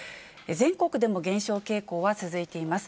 全国でも減少傾向は続いています。